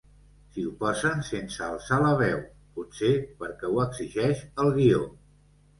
S'hi oposen sense alçar la veu, potser perquè ho exigeix el guió.